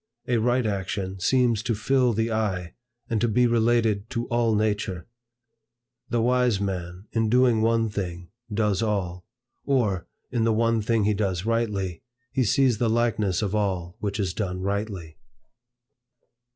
A right action seems to fill the eye, and to be related to all nature. "The wise man, in doing one thing, does all; or, in the one thing he does rightly, he sees the likeness of all which is done rightly."